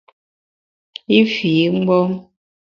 I fii mgbom.